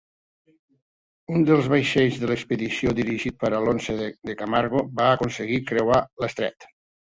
Un dels vaixells de l'expedició, dirigit per Alonso de Camargo, va aconseguir creuar l'estret.